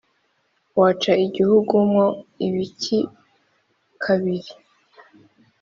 waca igihugu mwo ikibi kabiri